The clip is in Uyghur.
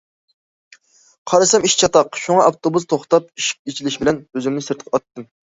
قارىسام ئىش چاتاق، شۇڭا ئاپتوبۇس توختاپ ئىشىك ئېچىلىشى بىلەن، ئۆزۈمنى سىرتقا ئاتتىم.